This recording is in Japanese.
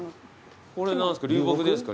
これ何ですか？